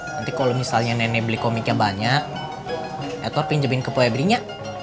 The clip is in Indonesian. nanti kalau misalnya nenek beli komiknya banyak edward pinjemin ke febri nya